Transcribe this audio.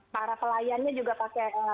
para pelayannya juga pakai sarung tangan